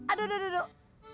aduh aduh aduh